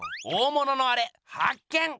大物のアレ発見！